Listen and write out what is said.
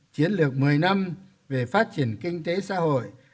chiến lược một mươi năm về phát triển kinh tế xã hội